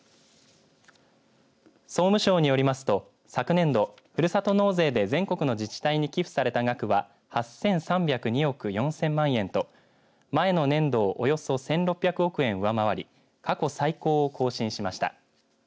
総務省によりますと昨年度ふるさと納税で全国の自治体に寄付された額は８３０２億４０００万円と前の年度をおよそ１６００億円上回り過去最高を更新しました。